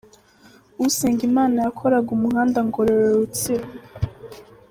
Usengimana yakoraga umuhanda Ngororero – Rutsiro.